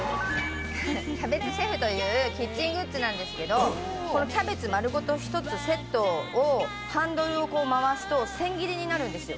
キャベックシェフというキッチングッズなんですけどキャベツ丸ごと１つセットをハンドルを回すと千切りになるんです。